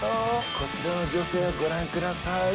こちらの女性をご覧ください。